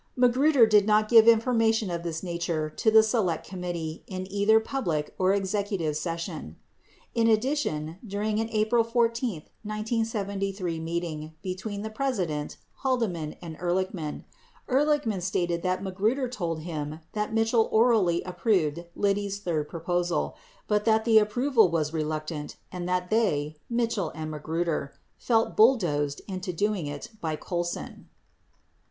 1 (Magruder did not give information of this nature to the Select Com mittee in either public or executive session.) In addition, during an April 14, 1973, meeting between the President, Haldeman and Ehrlich man, Ehrlichman stated that Magruder told him that Mitchell orally approved Liddy's third proposal, but that the approval was reluctant and that they (Mitchell and Magruder) felt "bulldozed" into it by Colson.